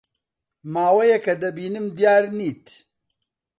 ماوەیەکە دەبینم دیار نیت.